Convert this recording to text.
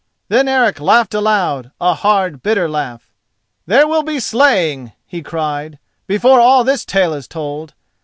Then Eric laughed aloud, a hard and bitter laugh. "There will be slaying," he cried, "before all this tale is told.